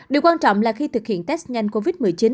điều quan trọng là khi thực hiện test nhanh covid một mươi chín